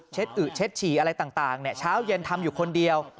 อึเช็ดฉี่อะไรต่างเช้าเย็นทำอยู่คนเดียว